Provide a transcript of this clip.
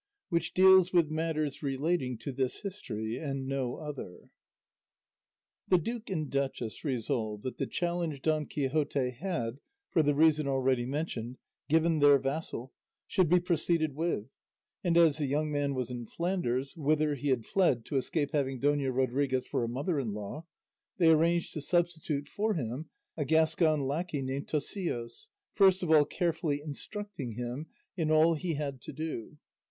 WHICH DEALS WITH MATTERS RELATING TO THIS HISTORY AND NO OTHER The duke and duchess resolved that the challenge Don Quixote had, for the reason already mentioned, given their vassal, should be proceeded with; and as the young man was in Flanders, whither he had fled to escape having Dona Rodriguez for a mother in law, they arranged to substitute for him a Gascon lacquey, named Tosilos, first of all carefully instructing him in all he had to do.